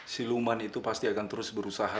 si luman itu pasti akan terus berusaha